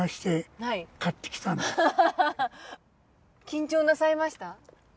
緊張なさいました？